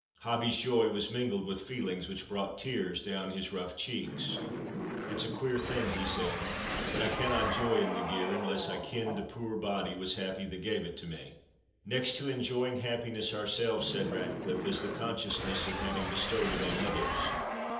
Hobbie's joy was mingled with feelings which brought tears down his rough cheeks. "It's a queer thing," he said; "but I canna joy in the gear, unless I kend the puir body was happy that gave it me." "Next to enjoying happiness ourselves," said Ratcliffe, "is the consciousness of having bestowed it on others.